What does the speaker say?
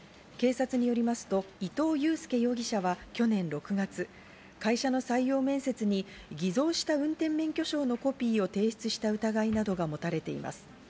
警察によりますと、伊藤佑輔容疑者は去年６月、会社の採用面接に偽造した運転免許証のコピーを提出した疑いなどが持たれています。